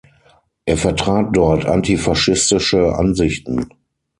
Er vertrat dort antifaschistische Ansichten.